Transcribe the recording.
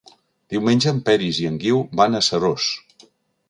Diumenge en Peris i en Guiu van a Seròs.